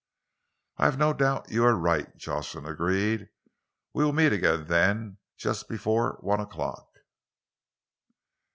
"I have no doubt you are right," Jocelyn agreed. "We will meet again, then, just before one o'clock."